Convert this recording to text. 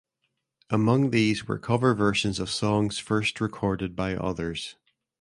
Among these were cover versions of songs first recorded by others.